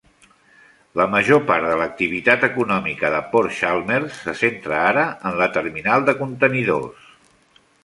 La major part de l'activitat econòmica de Port Chalmers se centra ara en la terminal de contenidors.